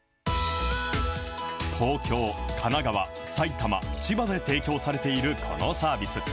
東京、神奈川、埼玉、千葉で提供されている、このサービス。